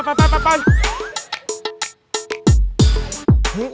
ร้านนี้เราถึงก่อนใช่ไหม